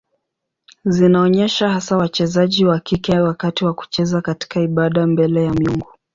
Zinaonyesha hasa wachezaji wa kike wakati wa kucheza katika ibada mbele ya miungu.